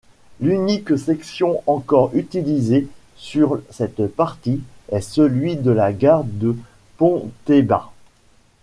L'unique section encore utilisé sur cette partie est celui de la gare de Pontebba.